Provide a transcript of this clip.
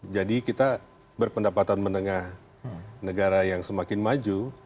jadi kita berpendapatan menengah negara yang semakin maju